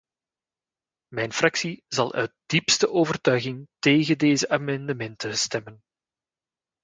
Mijn fractie zal uit diepste overtuiging tegen deze amendementen stemmen.